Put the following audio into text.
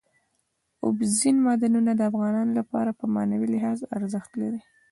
اوبزین معدنونه د افغانانو لپاره په معنوي لحاظ ارزښت لري.